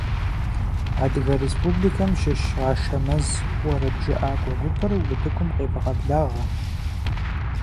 Адыгэ республикэм щыщ «Ашэмэз» уэрэджыӏакӏуэ гупыр утыкум къевгъэблагъэ!